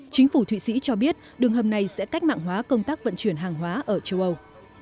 chính phủ thụy sĩ cho biết đường hầm này sẽ cách mạng hóa công tác vận chuyển hàng hóa ở châu âu